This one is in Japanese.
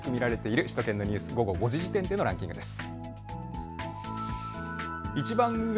ＮＨＫＮＥＷＳＷＥＢでよく見られている首都圏のニュース午後５時時点でのランキングです。